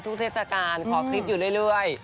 ทุกเศรษฐการณ์ขอคลิปอยู่เรื่อย